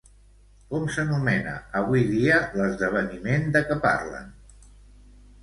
Com s'anomena avui dia l'esdeveniment de què parlen?